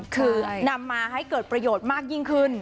คือนำมาให้เกิดประโยชน์มากยิ่งขึ้น